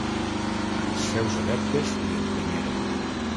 Els seus adeptes l'hi empenyeren.